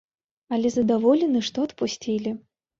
Але задаволены, што адпусцілі.